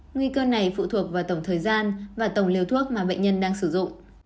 nguy cơ này phụ thuộc vào tổng thời gian và tổng liều thuốc mà bệnh nhân đang sử dụng